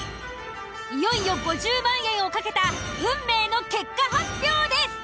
いよいよ５０万円を懸けた運命の結果発表です。